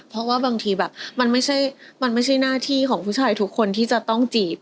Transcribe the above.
เพราะว่าบางทีแบบมันไม่ใช่มันไม่ใช่หน้าที่ของผู้ชายทุกคนที่จะต้องจีบ